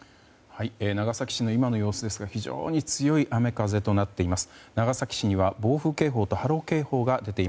長崎市の今の様子ですが非常に強い雨風となっています。